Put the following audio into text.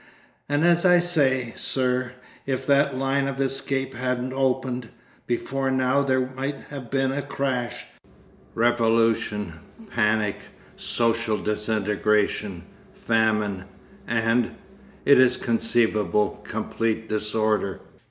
And as I say, sir, if that line of escape hadn't opened, before now there might have been a crash, revolution, panic, social disintegration, famine, and—it is conceivable—complete disorder....